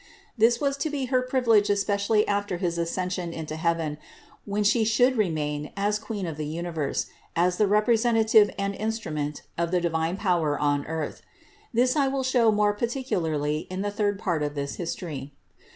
This was to be her privilege especially after his Ascension into heaven, when She should re main, as Queen of the universe, as the representative and instrument of the divine power on earth. This I will show more particularly in the third part of this history.